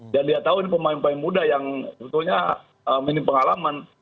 dan dia tahu ini pemain pemain muda yang sebetulnya mini pengalaman